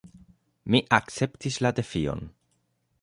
Mi akceptis la defion.